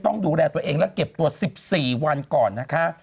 ต้องดูแลตัวเองและเก็บตัว๑๔วันก่อนนะคะ